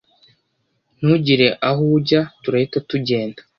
ntugire aho ujya turahita tugenda